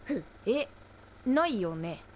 えっないよね？